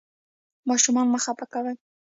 ماشومان مه خفه کوئ.